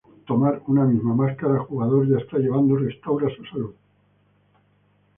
Tomar una misma máscara jugador ya está llevando, restaura su salud.